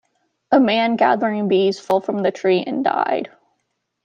A man gathering bees fell from the tree and died.